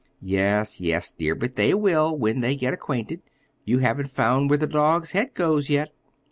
"Yes, yes, dear, but they will, when they get acquainted. You haven't found where the dog's head goes yet."